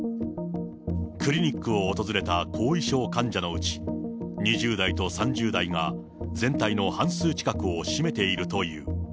クリニックを訪れた後遺症患者のうち、２０代と３０代が、全体の半数近くを占めているという。